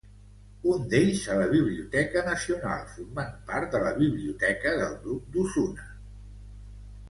Un d'ells a la Biblioteca Nacional formant part de la biblioteca del duc d'Osuna.